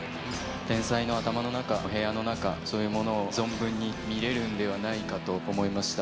天才の頭の中、部屋の中、そういうものを存分に見れるんではないかと思いました。